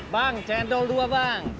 bang cendol dua bang